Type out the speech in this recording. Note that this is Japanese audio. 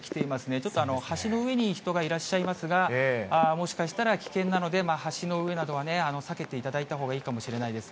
ちょっと橋の上に人がいらっしゃいますが、もしかしたら危険なので、橋の上などは避けていただいた方がいいかもしれないです。